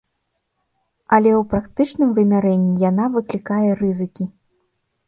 Але ў практычным вымярэнні яна выклікае рызыкі.